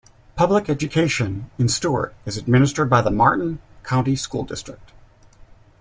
Public education in Stuart is administered by the Martin County School District.